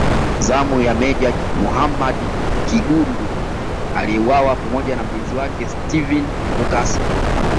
Zamu ya Meja Muhammad Kigundu aliyeuwa pamoja na mlinzi wake Steven Mukasa